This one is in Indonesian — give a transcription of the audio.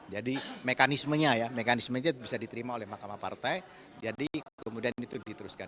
jadi mekanismenya ya mekanismenya bisa diterima oleh mahkamah partai jadi kemudian itu diteruskan